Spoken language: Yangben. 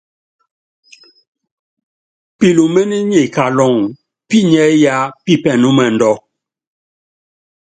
Pilúméné nyi kaluŋɔ pinyiɛ́ yá pípɛnúmɛndú.